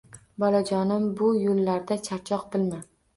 Bolajonim bu yullarda charchoq bilma